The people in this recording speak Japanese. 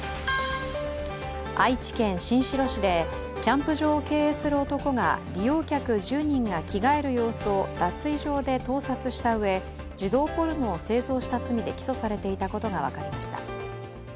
愛知県新城市でキャンプ場を経営する男が利用客１０人が着替える様子を脱衣場で盗撮したうえ児童ポルノを製造した罪で起訴されていたことが分かりました。